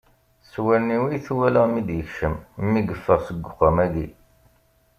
S wallen-iw i t-walaɣ mi d-yekcem, mi yeffeɣ seg uxxam-agi.